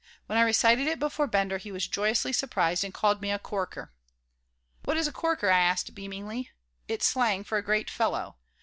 When I recited it before Bender he was joyously surprised and called me a "corker." "What is a corker?" I asked, beamingly "It's slang for 'a great fellow.'"